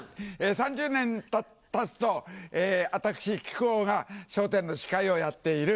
３０年たつと私木久扇が『笑点』の司会をやっている。